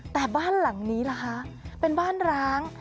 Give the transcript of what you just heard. แต่บ้านหลังนี้ล่ะคะเป็นบ้านร้าง